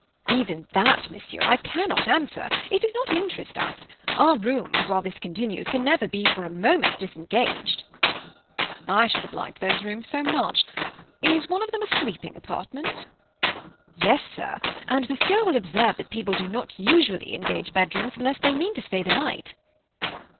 "Even that, Monsieur, I cannot answer. It does not interest us. Our rooms, while this continues, can never be, for a moment, disengaged." "I should have liked those rooms so much! Is one of them a sleeping apartment?" "Yes, sir, and Monsieur will observe that people do not usually engage bedrooms unless they mean to stay the night."